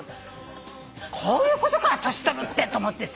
こういうことか年取るってと思ってさ。